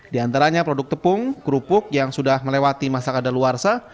di antaranya produk tepung kerupuk yang sudah melewati masakadaluarsa